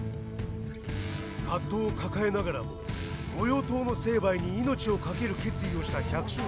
葛藤を抱えながらも御用盗の成敗に命をかける決意をした百姓たち。